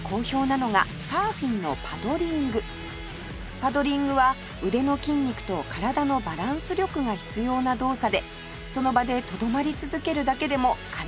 パドリングは腕の筋肉と体のバランス力が必要な動作でその場でとどまり続けるだけでもかなり大変なのだそうです